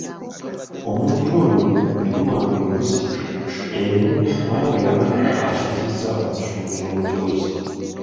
Omuntu oyo yaliwanga embuzi emu kubanga yabanga asuzizza omusuubuzi omujoozi.